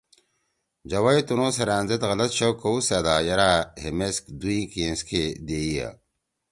جَوئی تنُو سیرأن زید غلط شک کؤسیدا یرأ ہے میس دُوئی کینگس کے دیئا۔